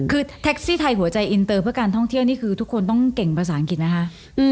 คือแท็กซี่ไทยหัวใจอินเตอร์เพื่อการท่องเที่ยวนี่คือทุกคนต้องเก่งภาษาอังกฤษนะคะ